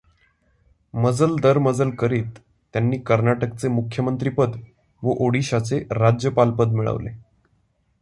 मजल दरमजल करीत त्यांनी कर्नाटकचे मुख्यमंत्रीपद व ओडिशाचे राज्यपालपद मिळवले.